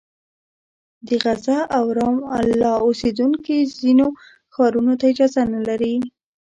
د غزه او رام الله اوسېدونکي ځینو ښارونو ته اجازه نه لري.